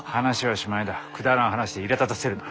くだらん話でいらだたせるな。